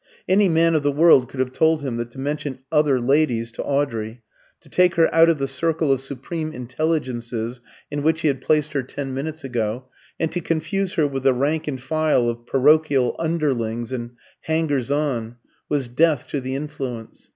Any man of the world could have told him that to mention "other ladies" to Audrey to take her out of the circle of supreme intelligences in which he had placed her ten minutes ago, and to confuse her with the rank and file of parochial underlings and hangers on was death to the "influence."